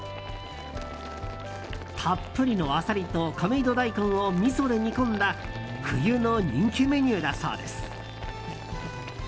たっぷりのアサリと亀戸大根をみそで煮込んだ冬の人気メニューだそうです。